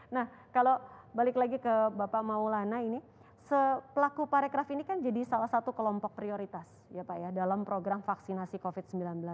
nah kalau balik lagi ke bapak maulana ini pelaku parekraf ini kan jadi salah satu kelompok prioritas ya pak ya dalam program vaksinasi covid sembilan belas